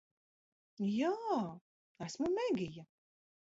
Jā. Esmu Megija.